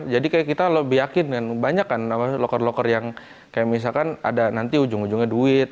jadi kayak kita lebih yakin kan banyak kan loker loker yang kayak misalkan ada nanti ujung ujungnya duit